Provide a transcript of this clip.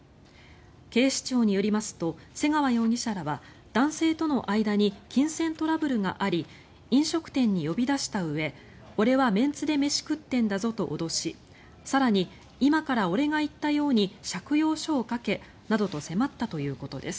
警視庁によりますと瀬川容疑者らは男性との間に金銭トラブルがあり飲食店に呼び出したうえ俺はメンツで飯食ってんだぞと脅し更に、今から俺が言ったように借用書を書けなどと迫ったということです。